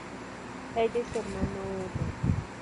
Ella y su hermano huyen.